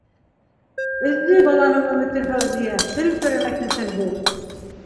Өҙҙө баланың өмөтөн Фәүзиә, селпәрәмә килтерҙе.